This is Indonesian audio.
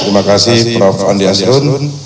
terima kasih prof andias dun